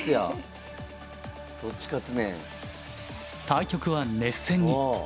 対局は熱戦に。